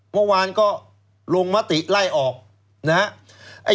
เมื่อวานก็ลงมติไล่ออกนะครับ